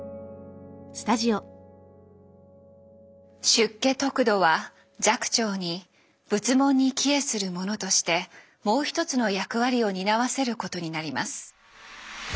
出家得度は寂聴に仏門に帰依する者としてもう一つの役割を担わせることになります。